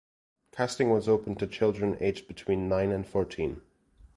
Casting was open to children aged between nine and fourteen.